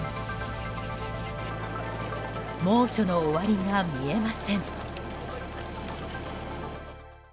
猛暑の終わりが見えません。